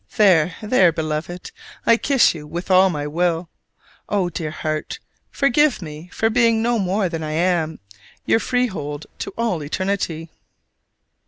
There, there, Beloved, I kiss you with all my will. Oh, dear heart, forgive me for being no more than I am: your freehold to all eternity!